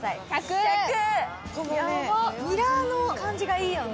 このミラーの感じがいいよね。